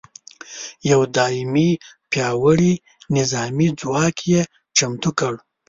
یو دایمي پیاوړي نظامي ځواک یې چمتو کړ.